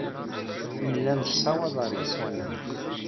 Nella nessawaḍ ɣer yeswan-nneɣ.